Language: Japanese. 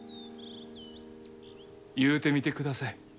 言うてみてください。